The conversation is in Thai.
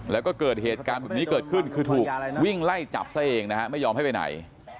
แล้วก็เกิดเหตุการณ์แบบนี้เกิดขึ้นคือถูกวิ่งไล่จับซะเองนะฮะไม่ยอมให้ไปไหน